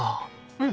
うん！